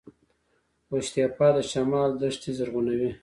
قوش تیپه د شمال دښتې زرغونوي